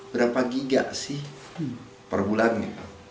berapa giga sih per bulannya